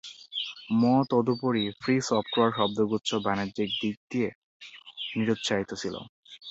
ম তদুপরি, free software শব্দগুচ্ছ বাণিজ্যিক দিক দিয়েও নিরুৎসাহিত ছিলো।